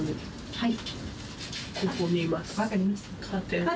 はい。